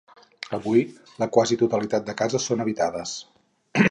Avui la quasi totalitat de cases són habitades.